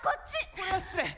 これは失礼！